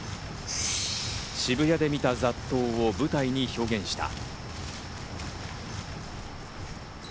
渋谷で見た雑踏を舞台に表現した。